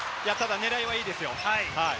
狙いはいいですよ。